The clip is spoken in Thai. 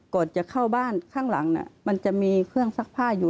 ก่อนจะเข้าบ้านข้างหลังมันจะมีเครื่องซักผ้าอยู่